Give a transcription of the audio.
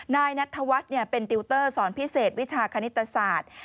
นายนัทธวัฒน์เป็นติวเตอร์สอนพิเศษวิชาคณิตศาสตร์